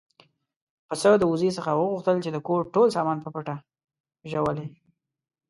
پسه د وزې څخه وغوښتل چې د کور ټول سامان په پټه ژوولی.